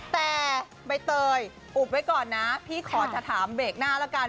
แต่ใบเตยอุบไว้ก่อนนะพี่ขอจะถามเบรกหน้าแล้วกัน